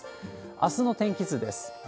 あすの天気図です。